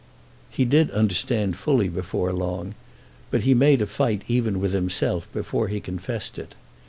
He did understand fully before long, but he made a fight even with himself before he confessed it.